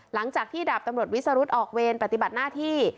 หลังจากที่ดาบตำรวจวิสรุธออกเวรปฏิบัติหน้าที่